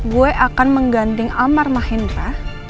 gue akan menggandeng amar mahendra